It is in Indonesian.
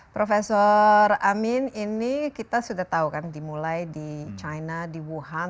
prof amin ini kita sudah tahu kan dimulai di china di wuhan